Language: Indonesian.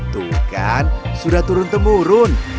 tuh kan sudah turun temurun